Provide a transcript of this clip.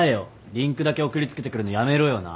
リンクだけ送り付けてくるのやめろよな。